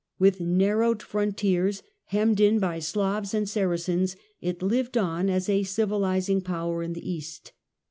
"With narrowed frontiers, hemmed in by Slavs and Saracens, it lived on as a civilising power in the east.